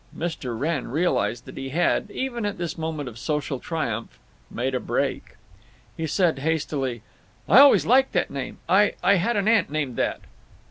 Mr. Wrenn realized that he had, even at this moment of social triumph, "made a break." He said, hastily; "I always liked that name. I—I had an aunt named that!"